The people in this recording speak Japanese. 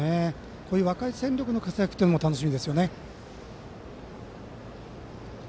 こういう若い戦力の活躍も楽しみですね。